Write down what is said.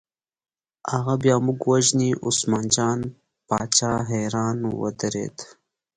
هغه بیا موږ وژني، عثمان جان باچا حیران ودرېد.